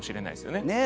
ねえ？